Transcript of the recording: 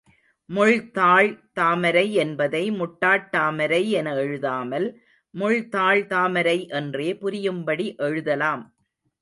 முள்தாள் தாமரை என்பதை முட்டாட்டாமரை என எழுதாமல், முள் தாள் தாமரை என்றே புரியும்படி எழுதலாம்.